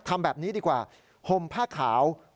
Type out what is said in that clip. ทำแบบนี้ดีกว่าห่มผ้าขาว